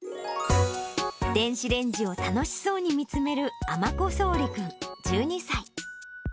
電子レンジを楽しそうに見つめる尼子蒼理君１２歳。